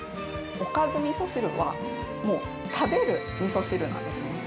おかずみそ汁は、もう、食べるみそ汁なんですね。